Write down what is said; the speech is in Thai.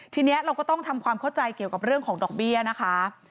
ทีนี้เราก็ต้องทำความเข้าใจเกี่ยวกับเรื่องของดอกเบี้ยนะคะ